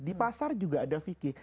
di pasar juga ada fikih